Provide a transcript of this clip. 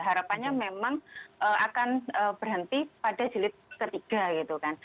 harapannya memang akan berhenti pada jilid ketiga gitu kan